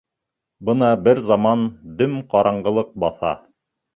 Бына бер заман дөм ҡараңғылыҡ баҫа.